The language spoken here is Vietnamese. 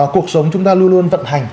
cuộc sống chúng ta luôn luôn vận hành